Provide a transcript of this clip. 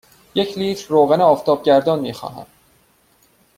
من یک لیتر روغن آفتابگردان می خواهم.